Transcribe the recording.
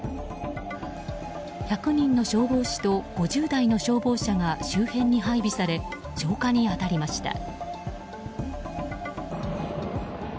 １００人の消防士と５０台の消防車が周辺に配備され消火に当たりました。